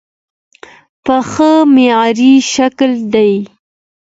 پښه معیاري شکل دی.